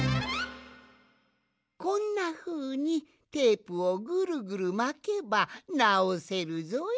こんなふうにテープをぐるぐるまけばなおせるぞい。